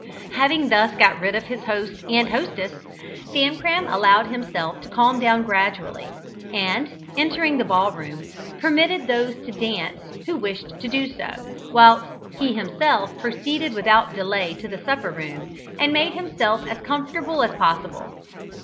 Having thus got rid of his host and hostess, Famcram allowed himself to calm down gradually, and, entering the ball room, permitted those to dance who wished to do so, whilst he himself proceeded without delay to the supper room, and made himself as comfortable as possible.